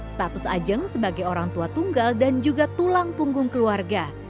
status ajeng sebagai orang tua tunggal dan juga tulang punggung keluarga